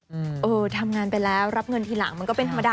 เออทำงานไปแล้วรับเงินทีหลังมันก็เป็นธรรมดา